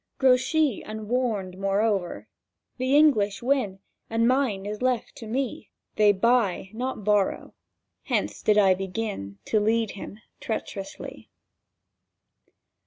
"Grouchy unwarned, moreo'er, the English win, And mine is left to me— They buy, not borrow."—Hence did I begin To lead him treacherously.